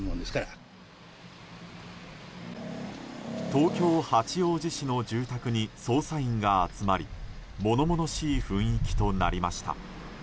東京・八王子市の住宅に捜査員が集まり物々しい雰囲気となりました。